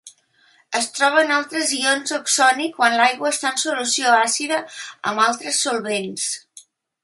Es troben d'altres ions oxoni quan l'aigua està en solució àcida amb altres solvents.